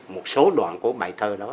một số đoạn của bài thơ đó